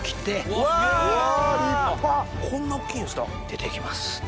出てきます。